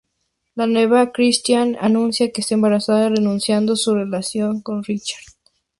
La Nueva Christine anuncia que está embarazada, reanudando su relación con Richard.